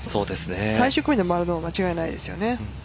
最終組で回るのは間違いないですよね。